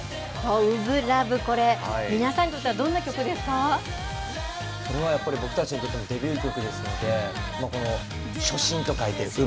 初心ＬＯＶＥ、これ、皆さんにとこれはやっぱり僕たちにとってのデビュー曲ですので、もうこの、初心と書いてうぶ。